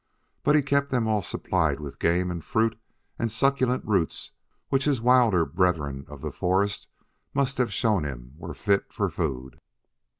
But he kept them all supplied with game and fruit and succulent roots which his wilder brethren of the forest must have shown him were fit for food.